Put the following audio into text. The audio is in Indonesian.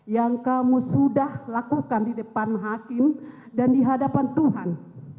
yang kamu sudah lakukan di depan hakim dan di hadapan tuhan